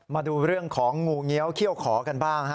มาดูเรื่องของงูเงี้ยวเขี้ยวขอกันบ้างฮะ